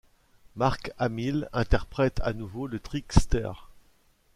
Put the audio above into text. Mark Hamill interprète à nouveau le Trickster.